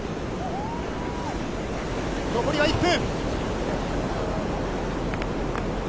残りは１分。